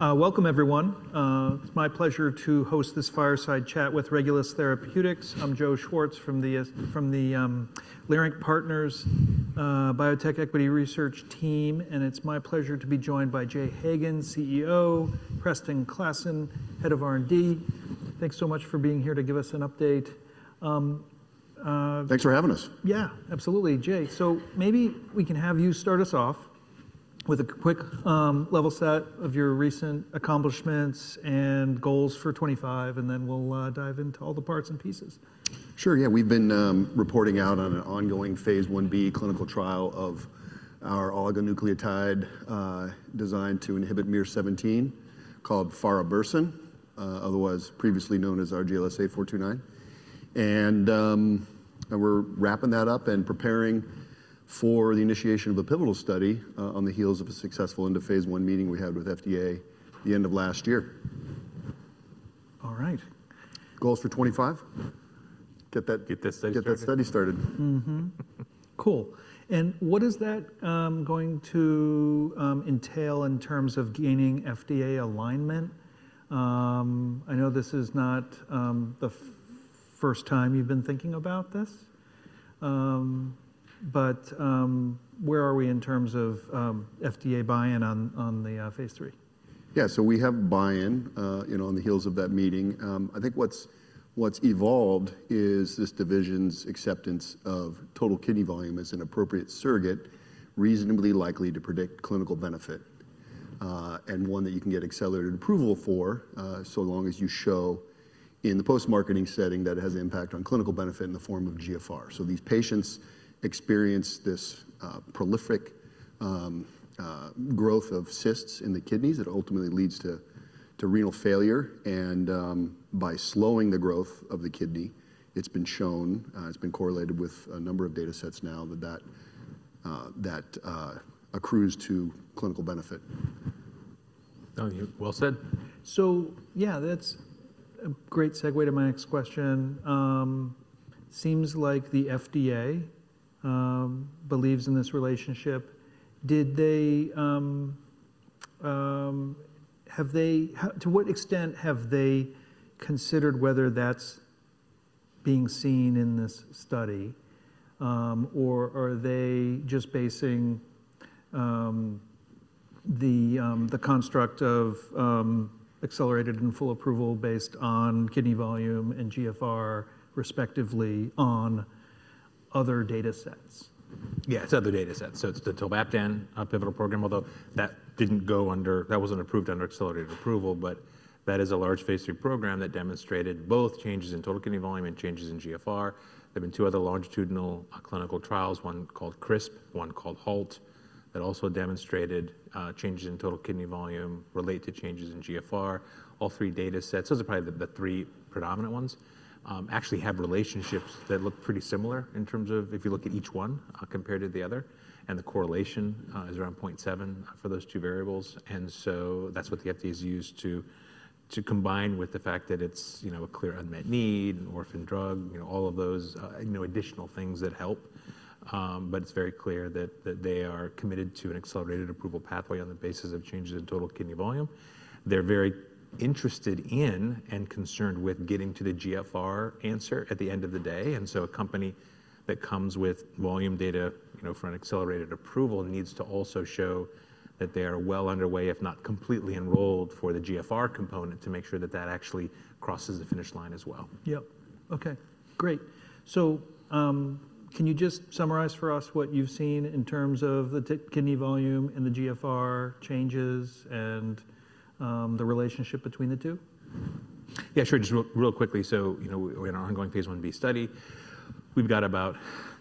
Welcome, everyone. It's my pleasure to host this fireside chat with Regulus Therapeutics. I'm Joe Schwartz from the Leerink Partners Biotech Equity Research team, and it's my pleasure to be joined by Jay Hagan, CEO, Preston Klassen, Head of R&D. Thanks so much for being here to give us an update. Thanks for having us. Yeah, absolutely, Jay. Maybe we can have you start us off with a quick level set of your recent accomplishments and goals for 2025, and then we'll dive into all the parts and pieces. Sure, yeah. We've been reporting out on an ongoing phase I-B clinical trial of our oligonucleotide designed to inhibit miR-17 called Farabursen, otherwise previously known as RGLS8429. We're wrapping that up and preparing for the initiation of a pivotal study on the heels of a successful end-of-phase I meeting we had with FDA at the end of last year. All right. Goals for 2025? Get that. Get that study started. Get that study started. Cool. What is that going to entail in terms of gaining FDA alignment? I know this is not the first time you've been thinking about this, but where are we in terms of FDA buy-in on the phase III? Yeah, so we have buy-in on the heels of that meeting. I think what's evolved is this division's acceptance of total kidney volume as an appropriate surrogate, reasonably likely to predict clinical benefit, and one that you can get accelerated approval for so long as you show in the post-marketing setting that it has an impact on clinical benefit in the form of GFR. These patients experience this prolific growth of cysts in the kidneys that ultimately leads to renal failure. By slowing the growth of the kidney, it's been shown, it's been correlated with a number of data sets now that accrues to clinical benefit. Yeah, that's a great segue to my next question. Seems like the FDA believes in this relationship. Have they, to what extent have they considered whether that's being seen in this study, or are they just basing the construct of accelerated and full approval based on kidney volume and GFR, respectively, on other data sets? Yeah, it's other data sets. It's the tolvaptan pivotal program, although that didn't go under, that wasn't approved under accelerated approval, but that is a large phase III program that demonstrated both changes in total kidney volume and changes in GFR. There have been two other longitudinal clinical trials, one called CRISP, one called HALT, that also demonstrated changes in total kidney volume relate to changes in GFR. All three data sets, those are probably the three predominant ones, actually have relationships that look pretty similar in terms of if you look at each one compared to the other, and the correlation is around 0.7 for those two variables. That's what the FDA has used to combine with the fact that it's a clear unmet need, an orphan drug, all of those additional things that help. It is very clear that they are committed to an accelerated approval pathway on the basis of changes in total kidney volume. They are very interested in and concerned with getting to the GFR answer at the end of the day. A company that comes with volume data for an accelerated approval needs to also show that they are well underway, if not completely enrolled for the GFR component to make sure that that actually crosses the finish line as well. Yep. Okay, great. Can you just summarize for us what you've seen in terms of the kidney volume and the GFR changes and the relationship between the two? Yeah, sure. Just real quickly, in our ongoing phase I-B study, we've got about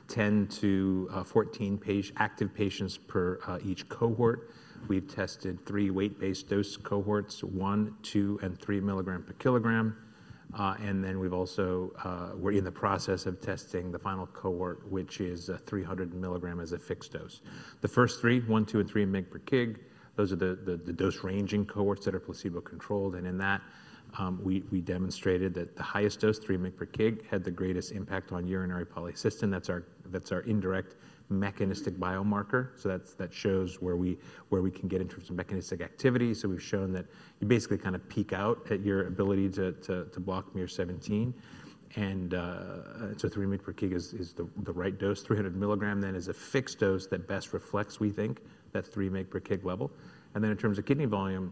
10-14 active patients per each cohort. We've tested three weight-based dose cohorts, 1, 2, and 3 mg per kg. We've also, we're in the process of testing the final cohort, which is 300 mg as a fixed dose. The first three, 1, 2, and 3 mg per kg, those are the dose-ranging cohorts that are placebo-controlled. In that, we demonstrated that the highest dose, 3 mg per kg, had the greatest impact on urinary polycystin. That's our indirect mechanistic biomarker. That shows where we can get in terms of mechanistic activity. We've shown that you basically kind of peak out at your ability to block miR-17. 3 mg per kg is the right dose. 300 milligram then is a fixed dose that best reflects, we think, that 3 mg per kg level. In terms of kidney volume,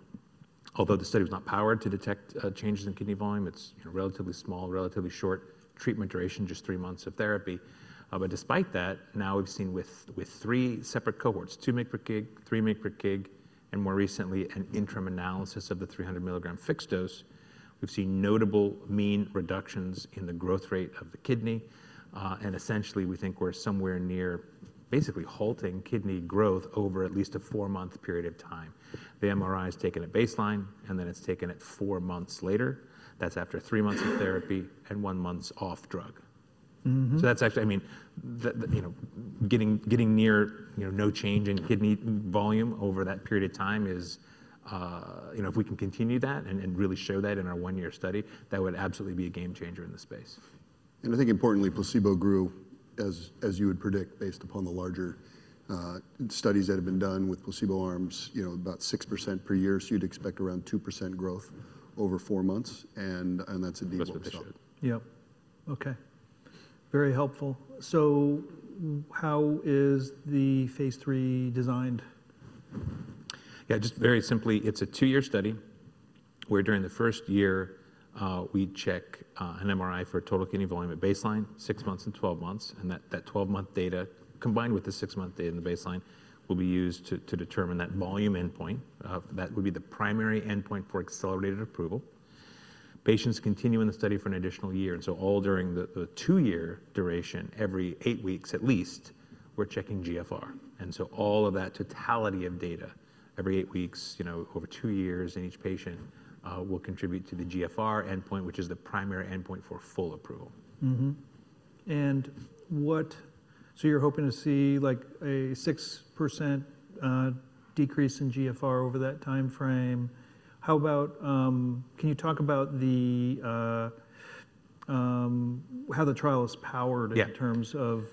although the study was not powered to detect changes in kidney volume, it's relatively small, relatively short treatment duration, just three months of therapy. Despite that, now we've seen with three separate cohorts, 2 mg per kg, 3 mg per kg, and more recently an interim analysis of the 300 milligram fixed dose, we've seen notable mean reductions in the growth rate of the kidney. Essentially, we think we're somewhere near basically halting kidney growth over at least a four-month period of time. The MRI is taken at baseline, and then it's taken at four months later. That's after three months of therapy and one month off drug. That's actually, I mean, getting near no change in kidney volume over that period of time is, if we can continue that and really show that in our one-year study, that would absolutely be a game changer in the space. I think importantly, placebo grew, as you would predict based upon the larger studies that have been done with placebo arms, about 6% per year. You would expect around 2% growth over four months, and that is a deeper push. Yep. Okay. Very helpful. How is the phase III designed? Yeah, just very simply, it's a two-year study where during the first year, we check an MRI for total kidney volume at baseline, six months and 12 months. That 12-month data combined with the six-month data and the baseline will be used to determine that volume endpoint. That would be the primary endpoint for accelerated approval. Patients continue in the study for an additional year. All during the two-year duration, every eight weeks at least, we're checking GFR. All of that totality of data every eight weeks over two years in each patient will contribute to the GFR endpoint, which is the primary endpoint for full approval. What, so you're hoping to see like a 6% decrease in GFR over that timeframe. How about, can you talk about how the trial is powered in terms of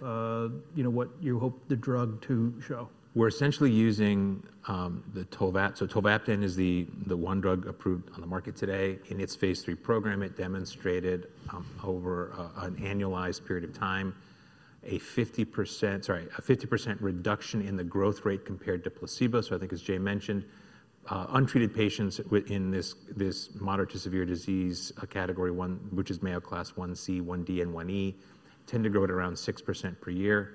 what you hope the drug to show? We're essentially using the tolvaptan. Tolvaptan is the one drug approved on the market today. In its phase III program, it demonstrated over an annualized period of time, a 50% reduction in the growth rate compared to placebo. I think, as Jay mentioned, untreated patients in this moderate to severe disease category one, which is Mayo Class 1C, 1D, and 1E, tend to grow at around 6% per year.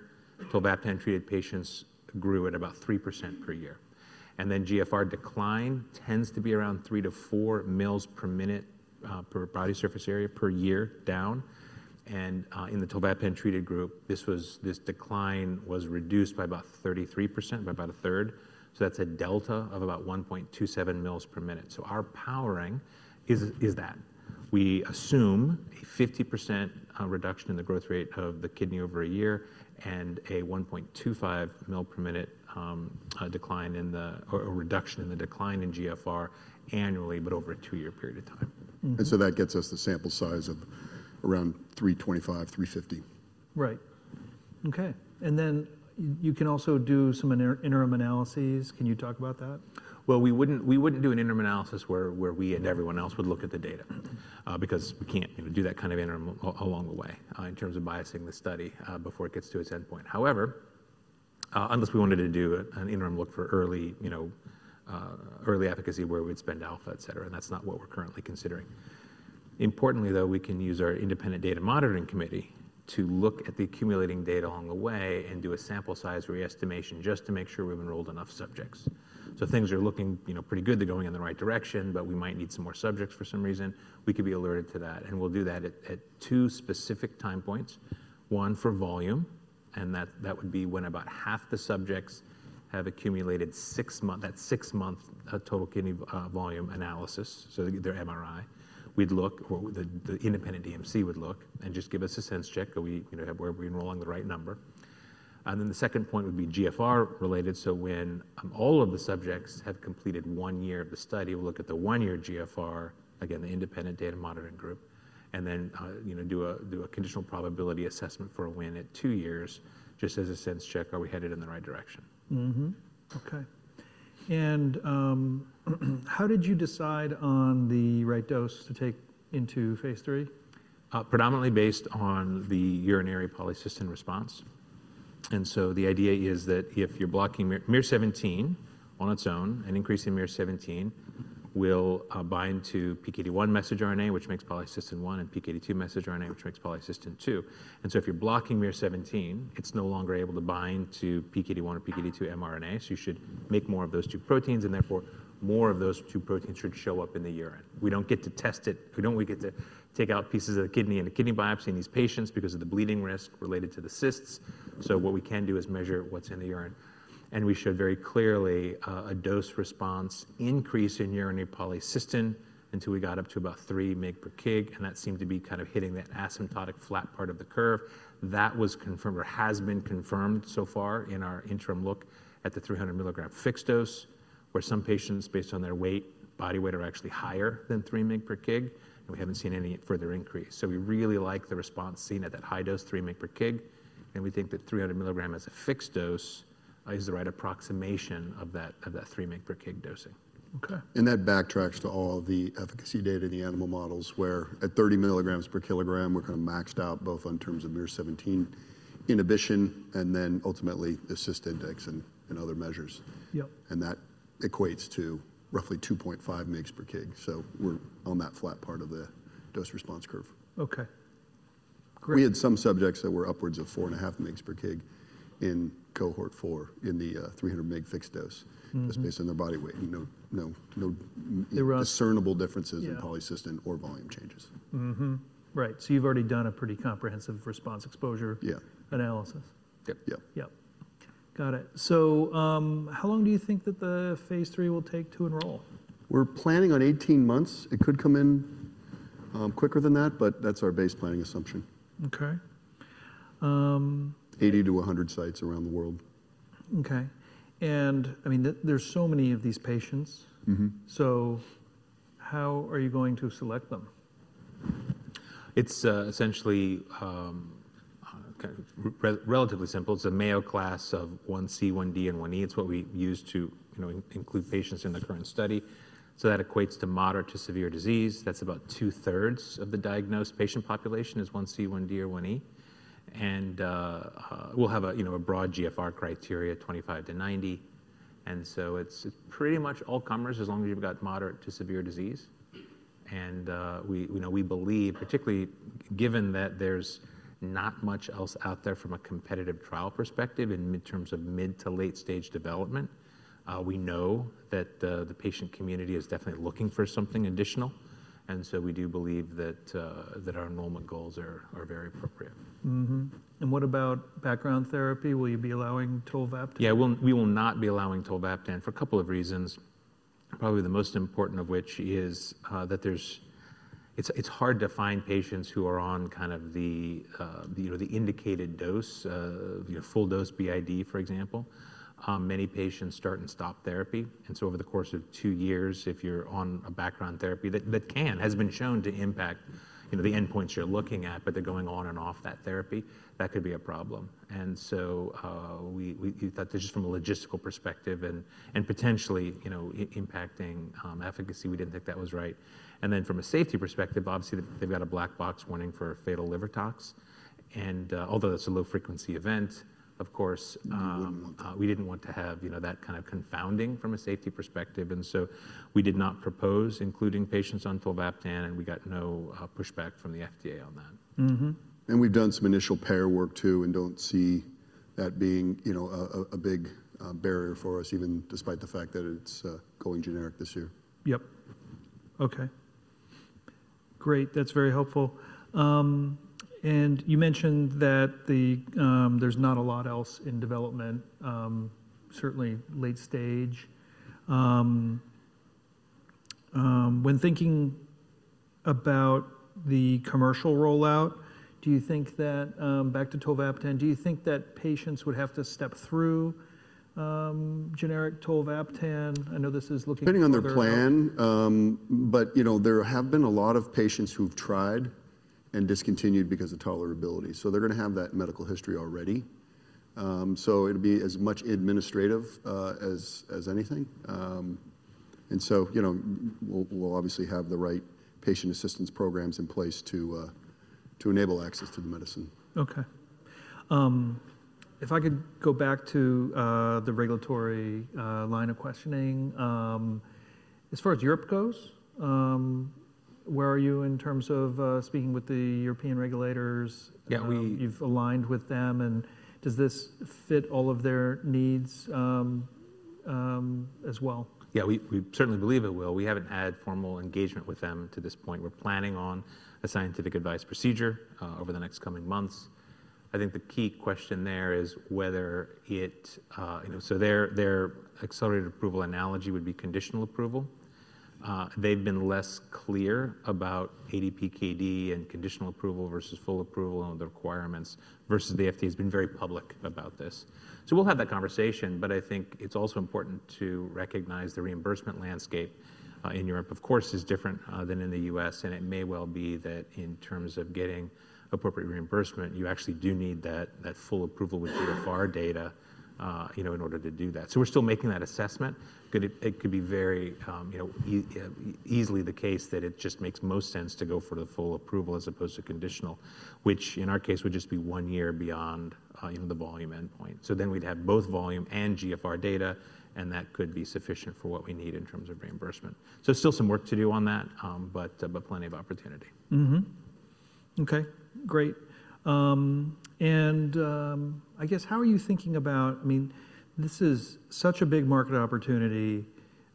Tolvaptan-treated patients grew at about 3% per year. GFR decline tends to be around 3-4 ml per minute per body surface area per year down. In the tolvaptan-treated group, this decline was reduced by about 33%, by about a third. That's a delta of about 1.27 ml per minute. Our powering is that. We assume a 50% reduction in the growth rate of the kidney over a year and a 1.25 ml per minute decline in the, or reduction in the decline in GFR annually, but over a two-year period of time. That gets us the sample size of around 325-350. Right. Okay. You can also do some interim analyses. Can you talk about that? We wouldn't do an interim analysis where we and everyone else would look at the data because we can't do that kind of interim along the way in terms of biasing the study before it gets to its endpoint. However, unless we wanted to do an interim look for early efficacy where we'd spend alpha, etc., and that's not what we're currently considering. Importantly, though, we can use our Independent Data Monitoring Committee to look at the accumulating data along the way and do a sample size re-estimation just to make sure we've enrolled enough subjects. Things are looking pretty good. They're going in the right direction, but we might need some more subjects for some reason. We could be alerted to that. We'll do that at two specific time points. One for volume, and that would be when about half the subjects have accumulated that six-month total kidney volume analysis, so their MRI. We'd look, or the independent DMC would look and just give us a sense check, are we enrolling the right number. The second point would be GFR-related. When all of the subjects have completed one year of the study, we'll look at the one-year GFR, again, the Independent Data Monitoring Group, and then do a conditional probability assessment for when at two years, just as a sense check, are we headed in the right direction? Okay. How did you decide on the right dose to take into phase III? Predominantly based on the urinary polycystin response. The idea is that if you're blocking miR-17 on its own, an increase in miR-17 will bind to PKD1 messenger RNA, which makes polycystin-1, and PKD2 messenger RNA, which makes polycystin-2. If you're blocking miR-17, it's no longer able to bind to PKD1 or PKD2 mRNA. You should make more of those two proteins, and therefore more of those two proteins should show up in the urine. We don't get to test it. We don't get to take out pieces of the kidney in a kidney biopsy in these patients because of the bleeding risk related to the cysts. What we can do is measure what's in the urine. We showed very clearly a dose response increase in urinary polycystin until we got up to about 3 mg per kg. That seemed to be kind of hitting that asymptotic flat part of the curve. That was confirmed or has been confirmed so far in our interim look at the 300 mg fixed dose, where some patients, based on their weight, body weight are actually higher than 3 mg per kg. We have not seen any further increase. We really like the response seen at that high dose, 3 mg per kg. We think that 300 mg as a fixed dose is the right approximation of that 3 mg per kg dosing. Okay. That backtracks to all the efficacy data in the animal models where at 30 mg per kg, we're kind of maxed out both in terms of miR-17 inhibition and then ultimately the cyst index and other measures. That equates to roughly 2.5 mg per kg. We're on that flat part of the dose response curve. Okay. Great. We had some subjects that were upwards of 4.5 mg per kg in cohort four in the 300 mg fixed dose, just based on their body weight. No discernible differences in polycystin or volume changes. Right. So you've already done a pretty comprehensive response exposure analysis. Yeah. Got it. How long do you think that the phase III will take to enroll? We're planning on 18 months. It could come in quicker than that, but that's our base planning assumption. Okay. 80-100 sites around the world. Okay. I mean, there's so many of these patients. How are you going to select them? It's essentially kind of relatively simple. It's a Mayo Class of 1C, 1D, and 1E. It's what we use to include patients in the current study. That equates to moderate to severe disease. That's about 2/3 of the diagnosed patient population is 1C, 1D, or 1E. We'll have a broad GFR criteria, 25-90. It's pretty much all comers as long as you've got moderate to severe disease. We believe, particularly given that there's not much else out there from a competitive trial perspective in terms of mid to late-stage development, we know that the patient community is definitely looking for something additional. We do believe that our enrollment goals are very appropriate. What about background therapy? Will you be allowing tolvaptan? Yeah, we will not be allowing tolvaptan for a couple of reasons, probably the most important of which is that it's hard to find patients who are on kind of the indicated dose, full dose BID, for example. Many patients start and stop therapy. Over the course of two years, if you're on a background therapy that can, has been shown to impact the endpoints you're looking at, but they're going on and off that therapy, that could be a problem. We thought this is from a logistical perspective and potentially impacting efficacy. We didn't think that was right. From a safety perspective, obviously they've got a black box warning for fatal liver tox. Although that's a low-frequency event, of course, we didn't want to have that kind of confounding from a safety perspective. We did not propose including patients on tolvaptan, and we got no pushback from the FDA on that. We have done some initial payer work too and do not see that being a big barrier for us, even despite the fact that it is going generic this year. Yep. Okay. Great. That's very helpful. You mentioned that there's not a lot else in development, certainly late stage. When thinking about the commercial rollout, do you think that back to tolvaptan, do you think that patients would have to step through generic tolvaptan? I know this is looking at the future. Depending on their plan, there have been a lot of patients who've tried and discontinued because of tolerability. They're going to have that medical history already. It will be as much administrative as anything. We'll obviously have the right patient assistance programs in place to enable access to the medicine. Okay. If I could go back to the regulatory line of questioning, as far as Europe goes, where are you in terms of speaking with the European regulators? You've aligned with them. Does this fit all of their needs as well? Yeah, we certainly believe it will. We haven't had formal engagement with them to this point. We're planning on a scientific advice procedure over the next coming months. I think the key question there is whether it, so their accelerated approval analogy would be conditional approval. They've been less clear about ADPKD and conditional approval versus full approval and the requirements versus the FDA has been very public about this. We'll have that conversation, but I think it's also important to recognize the reimbursement landscape in Europe, of course, is different than in the U.S. It may well be that in terms of getting appropriate reimbursement, you actually do need that full approval with GFR data in order to do that. We're still making that assessment. It could be very easily the case that it just makes most sense to go for the full approval as opposed to conditional, which in our case would just be one year beyond the volume endpoint. We would have both volume and GFR data, and that could be sufficient for what we need in terms of reimbursement. There is still some work to do on that, but plenty of opportunity. Okay. Great. I guess how are you thinking about, I mean, this is such a big market opportunity,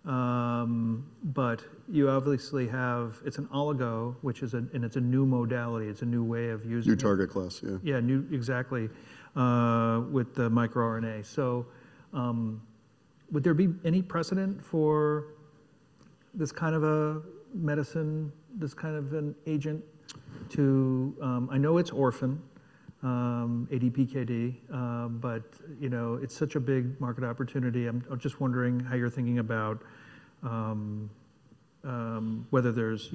but you obviously have, it's an oligo, which is a, and it's a new modality. It's a new way of using. New target class, yeah. Yeah, exactly, with the microRNA. Would there be any precedent for this kind of a medicine, this kind of an agent to, I know it's orphaned, ADPKD, but it's such a big market opportunity. I'm just wondering how you're thinking about whether there's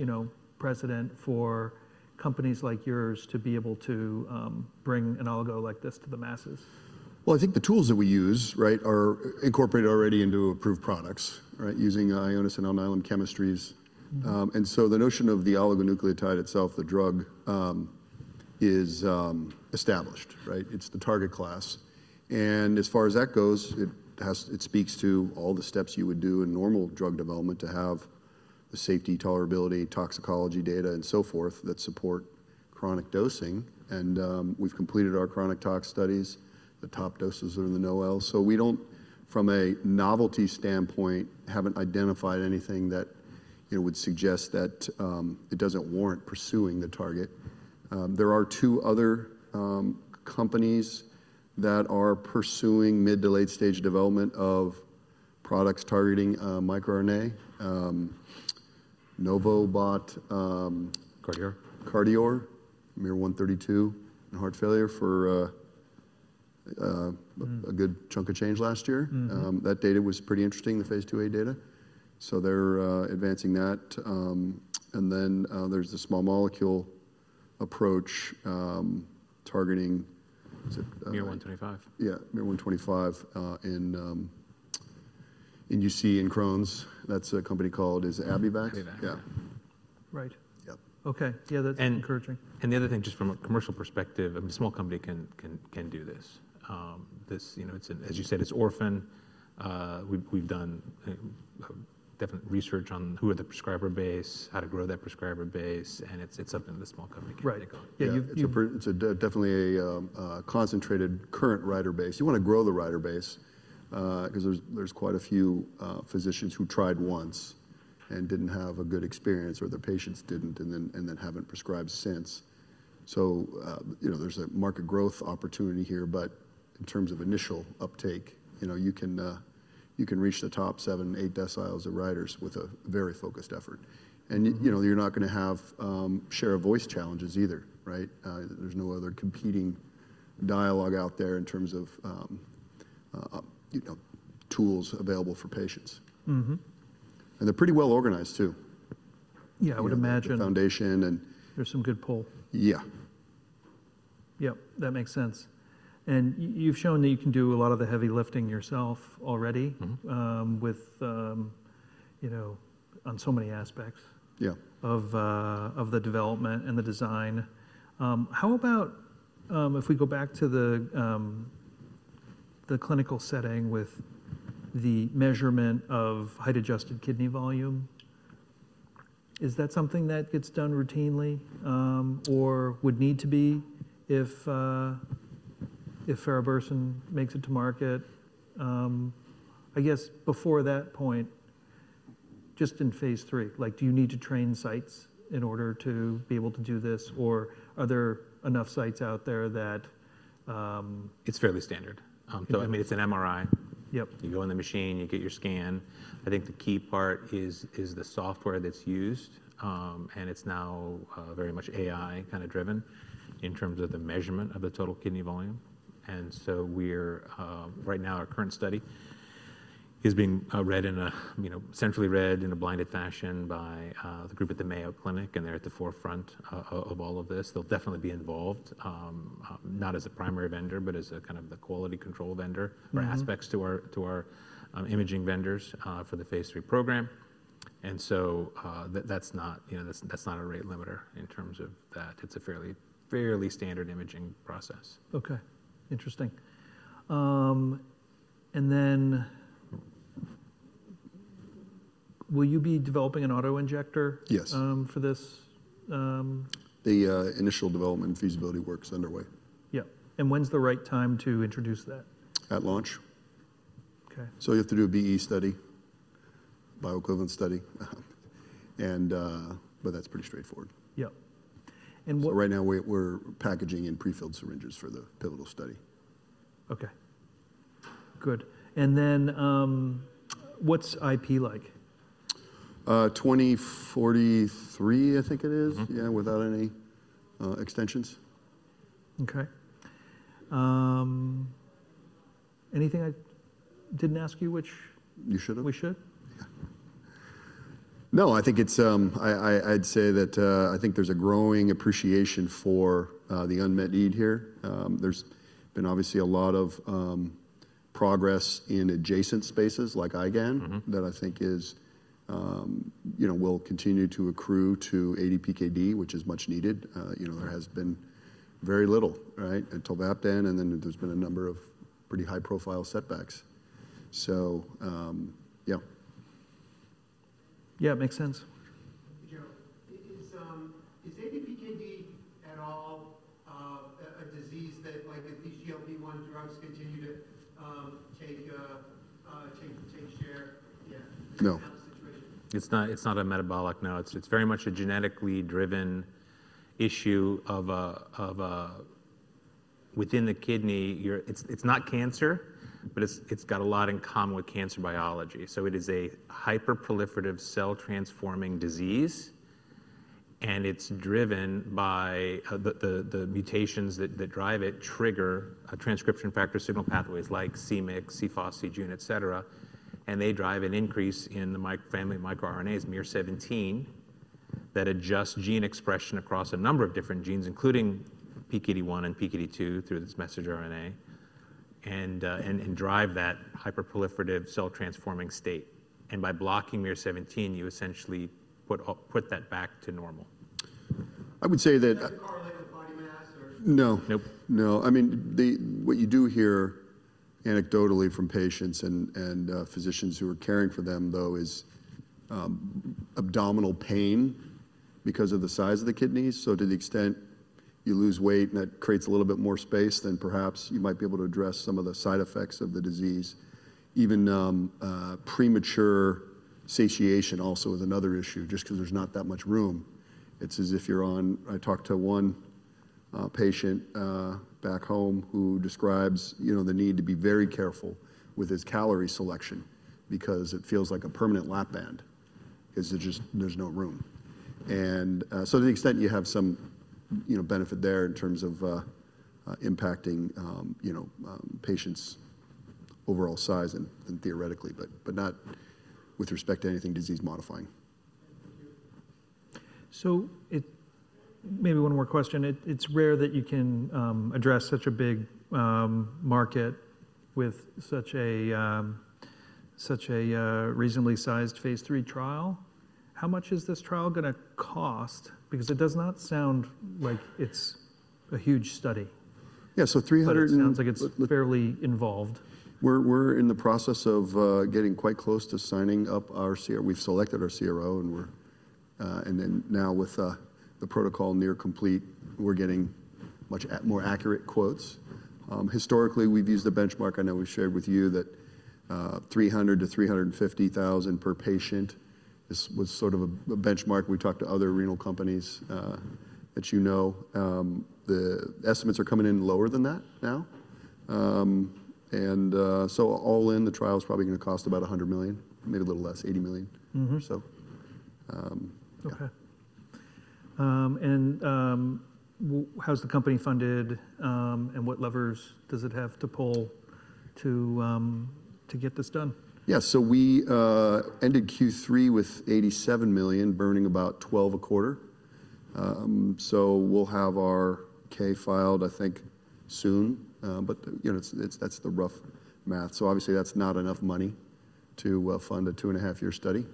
precedent for companies like yours to be able to bring an oligo like this to the masses. I think the tools that we use, right, are incorporated already into approved products, right, using Ionis and Alnylam chemistries. The notion of the oligonucleotide itself, the drug, is established, right? It's the target class. As far as that goes, it speaks to all the steps you would do in normal drug development to have the safety, tolerability, toxicology data, and so forth that support chronic dosing. We've completed our chronic tox studies. The top doses are in the NOEL. We don't, from a novelty standpoint, haven't identified anything that would suggest that it doesn't warrant pursuing the target. There are two other companies that are pursuing mid to late-stage development of products targeting microRNA, Novo bought. Cardior. Cardior, miR-132, and heart failure for a good chunk of change last year. That data was pretty interesting, the phase II-A data. They are advancing that. There is the small molecule approach targeting. miR-125. Yeah, miR-125 in UC and Crohn's. That's a company called AbbVie. AbbVie, yeah. Right. Yep. Okay. Yeah, that's encouraging. The other thing, just from a commercial perspective, a small company can do this. As you said, it's orphaned. We've done definite research on who are the prescriber base, how to grow that prescriber base, and it's something the small company can take on. Yeah, it's definitely a concentrated current writer base. You want to grow the writer base because there's quite a few physicians who tried once and didn't have a good experience, or their patients didn't, and then haven't prescribed since. There is a market growth opportunity here, but in terms of initial uptake, you can reach the top seven, eight deciles of writers with a very focused effort. You're not going to have share of voice challenges either, right? There's no other competing dialogue out there in terms of tools available for patients. They're pretty well organized too. Yeah, I would imagine. Foundation and. There's some good pull. Yeah. Yep. That makes sense. You've shown that you can do a lot of the heavy lifting yourself already on so many aspects of the development and the design. How about if we go back to the clinical setting with the measurement of height-adjusted kidney volume? Is that something that gets done routinely or would need to be if Farabursen makes it to market? I guess before that point, just in phase III, do you need to train sites in order to be able to do this, or are there enough sites out there that. It's fairly standard. I mean, it's an MRI. You go in the machine, you get your scan. I think the key part is the software that's used, and it's now very much AI kind of driven in terms of the measurement of the total kidney volume. Right now, our current study is being read centrally, read in a blinded fashion by the group at the Mayo Clinic, and they're at the forefront of all of this. They'll definitely be involved, not as a primary vendor, but as kind of the quality control vendor for aspects to our imaging vendors for the phase III program. That's not a rate limiter in terms of that. It's a fairly standard imaging process. Okay. Interesting. Will you be developing an autoinjector? Yes. For this? The initial development feasibility work is underway. Yep. When's the right time to introduce that? At launch, you have to do a BE study, bioequivalent study, but that's pretty straightforward. Yep. What. Right now we're packaging in prefilled syringes for the pivotal study. Okay. Good. And then what's IP like? 2043, I think it is, yeah, without any extensions. Okay. Anything I didn't ask you? You should have. We should? Yeah. No, I think it's, I'd say that I think there's a growing appreciation for the unmet need here. There's been obviously a lot of progress in adjacent spaces like IgAN that I think will continue to accrue to ADPKD, which is much needed. There has been very little, right, until that then, and then there's been a number of pretty high-profile setbacks. Yeah. Yeah, it makes sense. Is ADPKD at all a disease that, like these GLP-1 drugs, continue to take share? No. In the now situation. It's not a metabolic. No, it's very much a genetically driven issue within the kidney. It's not cancer, but it's got a lot in common with cancer biology. It is a hyperproliferative cell-transforming disease, and it's driven by the mutations that drive it, trigger transcription factor signal pathways like c-Myc, c-Fos, c-Jun, etc. They drive an increase in the family microRNAs, miR-17, that adjust gene expression across a number of different genes, including PKD1 and PKD2 through this messenger RNA, and drive that hyperproliferative cell-transforming state. By blocking miR-17, you essentially put that back to normal. I would say that. Does it correlate with body mass or? No. Nope. No. I mean, what you do hear anecdotally from patients and physicians who are caring for them, though, is abdominal pain because of the size of the kidneys. To the extent you lose weight, and that creates a little bit more space, then perhaps you might be able to address some of the side effects of the disease. Even premature satiation also is another issue just because there is not that much room. It is as if you are on, I talked to one patient back home who describes the need to be very careful with his calorie selection because it feels like a permanent lap band because there is no room. To the extent you have some benefit there in terms of impacting patients' overall size and theoretically, but not with respect to anything disease-modifying. Maybe one more question. It's rare that you can address such a big market with such a reasonably sized phase III trial. How much is this trial going to cost? Because it does not sound like it's a huge study. Yeah, so 300. It sounds like it's fairly involved. We're in the process of getting quite close to signing up our, we've selected our CRO, and now with the protocol near complete, we're getting much more accurate quotes. Historically, we've used a benchmark. I know we've shared with you that $300,000 to $350,000 per patient was sort of a benchmark. We talked to other renal companies that you know. The estimates are coming in lower than that now. All in, the trial is probably going to cost about $100 million, maybe a little less, $80 million. Okay. How's the company funded, and what levers does it have to pull to get this done? Yeah, so we ended Q3 with $87 million, burning about $12.25 million. We'll have our K filed, I think, soon, but that's the rough math. Obviously, that's not enough money to fund a two-and-a-half-year study.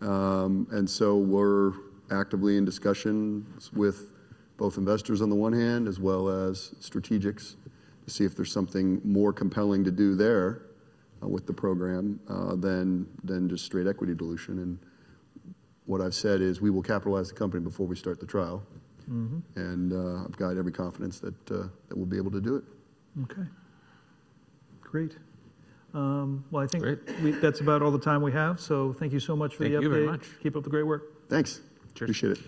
We're actively in discussion with both investors on the one hand, as well as strategics, to see if there's something more compelling to do there with the program than just straight equity dilution. What I've said is we will capitalize the company before we start the trial. I've got every confidence that we'll be able to do it. Okay. Great. I think that's about all the time we have. Thank you so much for the update. Thank you very much. Keep up the great work. Thanks. Cheers. Appreciate it.